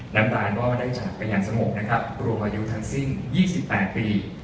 น้ำลายก็ได้จากไปอย่างสงบนะครับรวมอายุทั้งสิ้น๒๘ปี